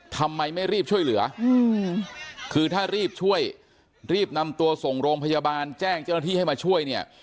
ทำไมไม่รีบช่วยเหลือคือถ้ารีบช่วยรีบนำตัวส่งโรงพยาบาลแจ้งเจ้าหน้าที่ให้มาช่วยเนี่ย